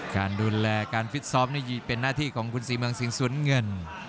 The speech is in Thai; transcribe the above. การดูแลการฟิตซ้อมนี่เป็นหน้าที่ของคุณศรีเมืองสิงศูนย์เงิน